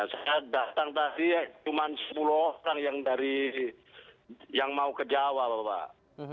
saya datang tadi cuma sepuluh orang yang mau ke jawa bapak